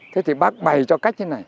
thế thì bác bày cho cách thế này